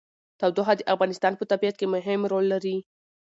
تودوخه د افغانستان په طبیعت کې مهم رول لري.